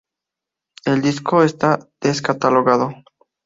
El disco está descatalogado.